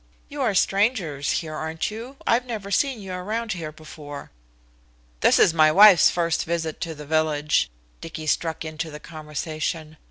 "You are strangers here, aren't you? I've never seen you around here before." "This is my wife's first visit to this village," Dicky struck into the conversation.